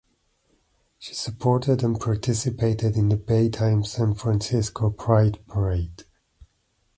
She supported and participated in the "Bay Times" San Francisco Pride Parade.